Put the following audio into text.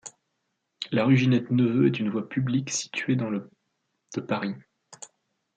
La rue Ginette-Neveu est une voie publique située dans le de Paris.